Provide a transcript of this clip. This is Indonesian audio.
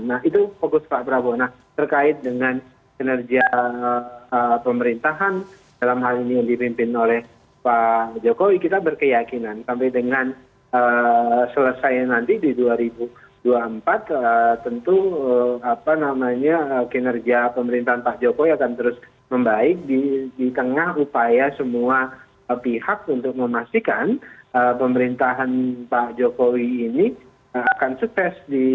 nah itu fokus pak prabowo nah terkait dengan kinerja pemerintahan dalam hal ini yang dirimpin oleh pak jokowi kita berkeyakinan sampai dengan selesai nanti di dua ribu dua puluh empat tentu kinerja pemerintahan pak jokowi akan terus membaik di tengah upaya semua pihak untuk memastikan pemerintahan pak jokowi ini akan sukses